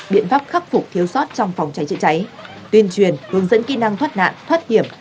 biện pháp khắc phục thiếu sót trong phòng cháy chữa cháy tuyên truyền hướng dẫn kỹ năng thoát nạn thoát hiểm